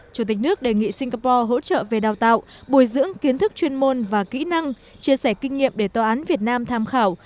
chủ tịch nước đề nghị singapore hỗ trợ về đào tạo bồi dưỡng kiến thức chuyên môn và kỹ năng chia sẻ kinh nghiệm để tòa án việt nam tham khảo